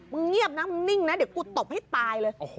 เงียบนะมึงนิ่งนะเดี๋ยวกูตบให้ตายเลย